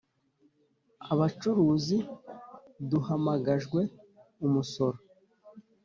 Abacuruzi duhamagajwe umusoro,